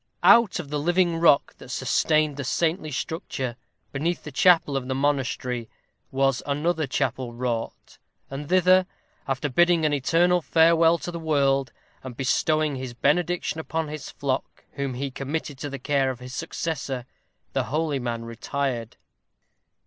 Out of the living rock that sustained the saintly structure, beneath the chapel of the monastery, was another chapel wrought, and thither, after bidding an eternal farewell to the world, and bestowing his benediction upon his flock, whom he committed to the care of his successor, the holy man retired.